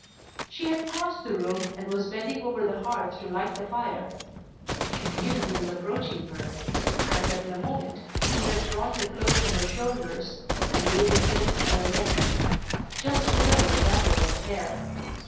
She had crossed the room and was bending over the hearth to light the fire. She knew he was approaching her, and that in a moment he would have drawn the cloak from her shoulders and laid his lips on her neck, just below the gathered up hair.